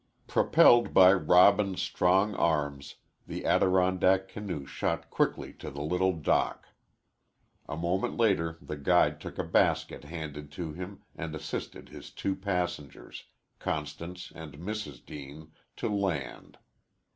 Propelled by Robin's strong arms, the Adirondack canoe shot quickly to the little dock. A moment later the guide took a basket handed to him and assisted his two passengers, Constance and Mrs. Deane, to land.